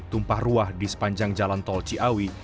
tumpah ruah di sepanjang jalan tol ciawi